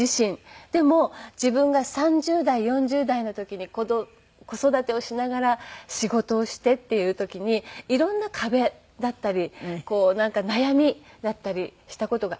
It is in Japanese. でも自分が３０代４０代の時に子育てをしながら仕事をしてっていう時に色んな壁だったりこうなんか悩みだったりした事がありまして。